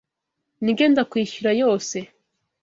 Nibyo ndakwishyura yose.